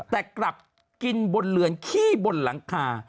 แต่กลับกินบนเรือนขี้บนหลังคา